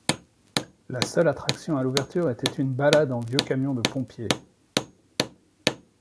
La seule attraction à l'ouverture était une balade en vieux camion de pompier.